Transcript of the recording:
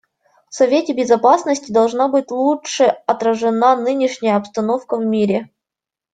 В Совете Безопасности должна быть лучше отражена нынешняя обстановка в мире.